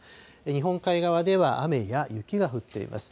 日本海側では雨や雪が降っています。